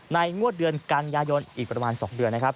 งวดเดือนกันยายนอีกประมาณ๒เดือนนะครับ